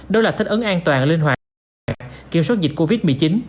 đó là thích ứng an toàn linh hoạt kiểm soát dịch covid một mươi chín